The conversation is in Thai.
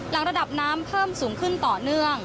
ระดับน้ำเพิ่มสูงขึ้นต่อเนื่อง